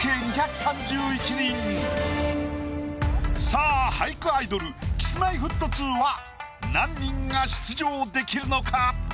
さぁ俳句アイドルＫｉｓ−Ｍｙ−Ｆｔ２は何人が出場できるのか？